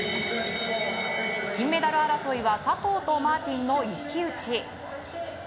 金メダル争いは佐藤とマーティンの一騎打ち。